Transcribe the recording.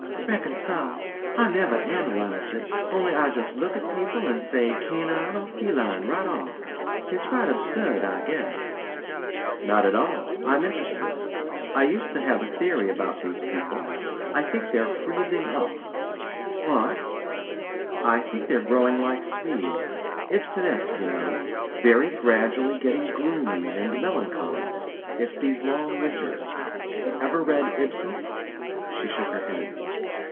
"Reckon so. I never analyzed it only I just look at people an' say 'canine' or 'feline' right off. It's right absurd I guess." "Not at all. I'm interested. I used to have a theory about these people. I think they're freezing up." "What?" "Well, they're growing' like Swedes Ibsenesque, you know. Very gradually getting gloomy and melancholy. It's these long winters. Ever read Ibsen?" She shook her head.